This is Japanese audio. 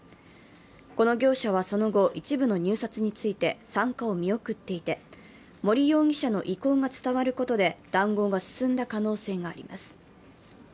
この業者はその後、一部の入札について参加を見送っていて、森容疑者の意向が伝わることで談合が進んだ可能性があります。